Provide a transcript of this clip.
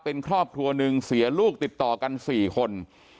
เป็นครอบครัวหนึ่งเสียลูกติดต่อกัน๔คน